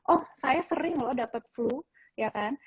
oh saya sering loh dapat flu ya kan